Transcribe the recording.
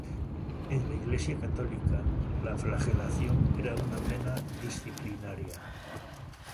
En la Iglesia católica, la flagelación era una pena disciplinaria.